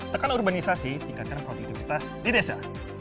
tekan urbanisasi tingkatkan kualitas hidup di desa